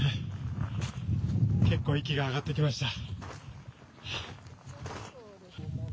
結構、息が上がってきました。